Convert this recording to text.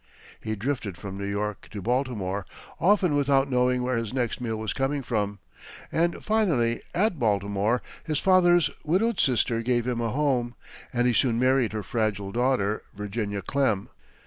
He drifted from New York to Baltimore, often without knowing where his next meal was coming from, and finally, at Baltimore, his father's widowed sister gave him a home, and he soon married her fragile daughter, Virginia Clemm.